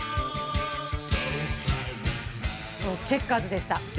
そうチェッカーズでした。